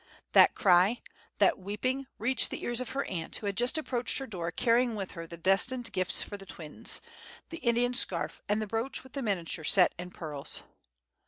That cry, that weeping, reached the ears of her aunt, who had just approached her door, carrying with her the destined gifts for the twins—the Indian scarf, and the brooch with the miniature set in pearls.